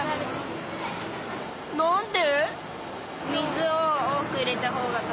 なんで？